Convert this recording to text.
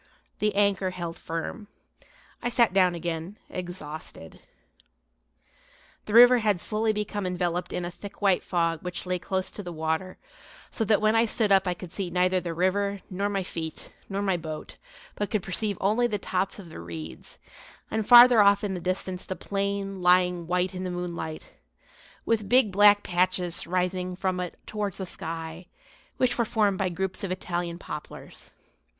The anchor held firm. I sat down again, exhausted. The river had slowly become enveloped in a thick white fog which lay close to the water, so that when I stood up I could see neither the river, nor my feet, nor my boat; but could perceive only the tops of the reeds, and farther off in the distance the plain, lying white in the moonlight, with big black patches rising up from it towards the sky, which were formed by groups of Italian poplars.